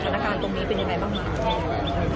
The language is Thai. สถานการณ์ตรงนี้เป็นอย่างไรบ้าง